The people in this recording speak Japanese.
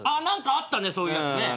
あったねそういうやつ。